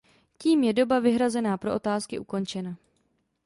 Tím je doba vyhrazená pro otázky ukončena.